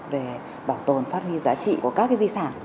về bảo tồn phát huy giá trị của các di sản